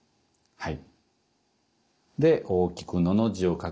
はい。